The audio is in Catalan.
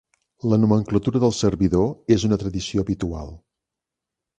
La nomenclatura del servidor és una tradició habitual.